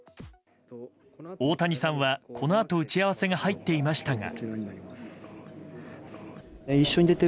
大谷さんは、このあと打ち合わせが入っていましたが。